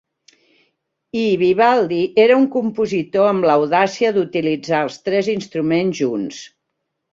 I, Vivaldi, era un compositor amb l'audàcia d'utilitzar els tres instruments junts.